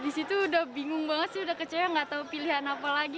di situ udah bingung banget sih udah kecewa nggak tahu pilihan apa lagi